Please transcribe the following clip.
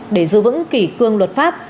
để giữ vững kỷ cương luật pháp